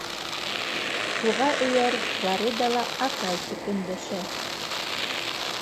Уға эйәреп, Флорида ла «атай» тип өндәшә.